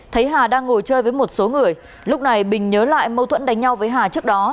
thấy hà đang ngồi chơi với một số người lúc này bình nhớ lại mâu thuẫn đánh nhau với hà trước đó